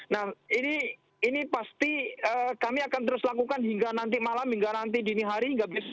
nah ini pasti kami akan terus lakukan hingga nanti malam hingga nanti dini hari